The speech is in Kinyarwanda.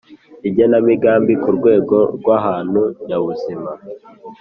Igenamigambi ku rwego rw ahantu nyabuzima